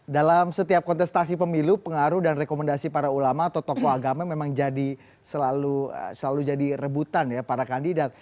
dalam setiap kontestasi pemilu pengaruh dan rekomendasi para ulama atau tokoh agama memang jadi selalu jadi rebutan ya para kandidat